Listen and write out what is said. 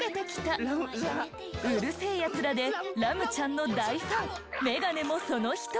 『うる星やつら』でラムちゃんの大ファンメガネもその１人。